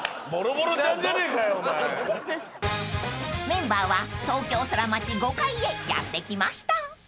［メンバーは東京ソラマチ５階へやって来ました］